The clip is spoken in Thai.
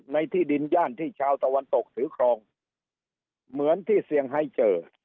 ที่ดินย่านที่ชาวตะวันตกถือครองเหมือนที่เสี่ยงไฮเจอ